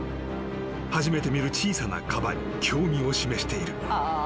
［初めて見る小さなカバに興味を示している］